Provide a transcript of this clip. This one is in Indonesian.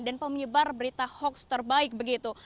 dan pemenyebar berita hoax terbaik begitu